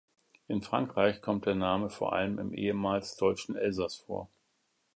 In Frankreich kommt der Name vor allem im ehemals deutschen Elsass vor.